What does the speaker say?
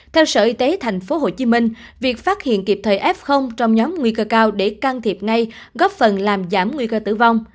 theo sở y tế thành phố hồ chí minh việc phát hiện kịp thời f trong nhóm nguy cơ cao để can thiệp ngay góp phần làm giảm nguy cơ tử vong